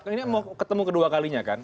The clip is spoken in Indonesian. ini mau ketemu kedua kalinya kan